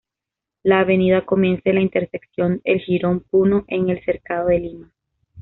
La avenida comienza en la intersección el Jirón Puno en el Cercado de Lima.